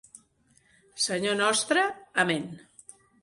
Senyor nostre, Amén.